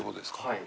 はい。